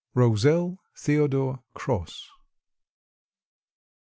Roselle Theodore Cross.